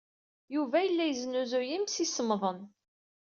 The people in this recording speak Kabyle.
Yuba yella yesnuzuy imsisemḍen.